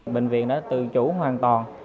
bệnh viện đó tự chủ hoàn toàn